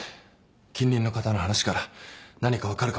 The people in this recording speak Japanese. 近隣の方の話から何か分かるかもしれないし。